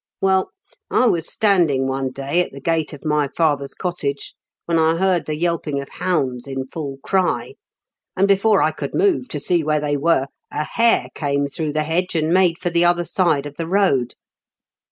"Well, I was standing one day at the gate of my father's cottage, when I heard the yelping of hounds in full cry, and before I could move to see where they were, a hare came through the hedge, and made for the other side of the road.